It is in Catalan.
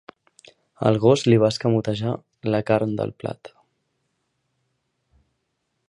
El gos li va escamotejar la carn del plat.